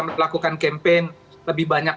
melakukan kempen lebih banyak